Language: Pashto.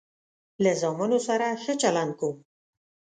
له زامنو سره ښه چلند کوم.